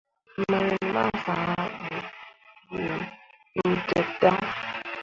Mawin ma sã ah ɗuudeb dan.